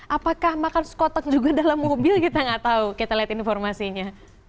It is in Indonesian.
apakah makan sekotak juga dalam mobil kita nggak tahu kita lihat informasinya